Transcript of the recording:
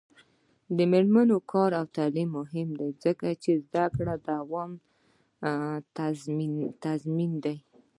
د میرمنو کار او تعلیم مهم دی ځکه چې زدکړو دوام تضمین دی.